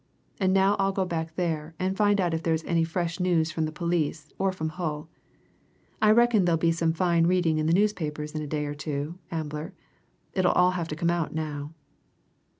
And now I'll go back there and find out if there's any fresh news from the police or from Hull. I reckon there'll be some fine reading in the newspapers in a day or two, Ambler it'll all have to come out now."